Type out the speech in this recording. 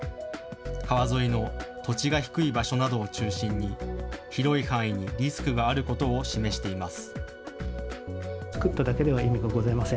川沿いの土地が低い場所などを中心に、広い範囲にリスクがあることを示しています。